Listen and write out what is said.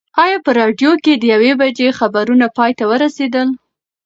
ایا په راډیو کې د یوې بجې خبرونه پای ته ورسېدل؟